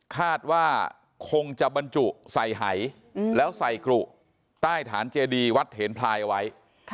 คาดว่าคงจะบรรจุใส่หายแล้วใส่กรุใต้ฐานเจดีวัดเถนพลายเอาไว้